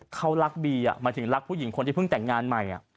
เขารักบีหมายถึงรักผู้หญิงคนที่เพิ่งแต่งงานใหม่